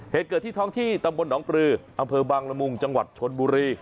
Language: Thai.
เหตุเกิดที่ท้องที่ตำบลหนองปลืออำเภอบางละมุงจังหวัดชนบุรี